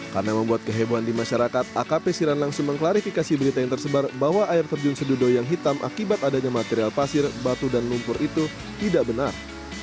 karena membuat kehebohan di masyarakat akp siran langsung mengklarifikasi berita yang tersebar bahwa air terjun sedudo yang hitam akibat adanya material pasir batu dan lumpur itu tidak benar